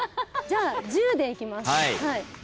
じゃあ１０でいきます。